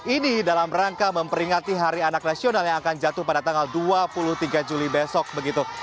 ini dalam rangka memperingati hari anak nasional yang akan jatuh pada tanggal dua puluh tiga juli besok begitu